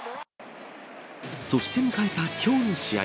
そして迎えたきょうの試合。